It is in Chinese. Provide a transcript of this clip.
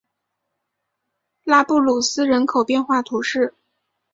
拉布鲁斯人口变化图示